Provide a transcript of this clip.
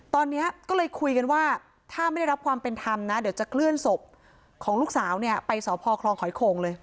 ตอนนี้ก็เลยคุยกันว่าถ้าไม่ได้รับความเป็นธรรมนะเดี๋ยวจะเคลื่อนศพของลูกสาวเนี่ยไปสพคลองหอยโคงเลย